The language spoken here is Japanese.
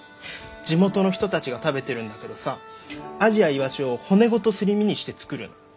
地元の人たちが食べてるんだけどさアジやイワシを骨ごとすり身にして作るの。